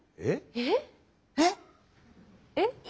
えっ？えっ。